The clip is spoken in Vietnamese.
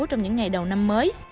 trong những ngày đầu năm mới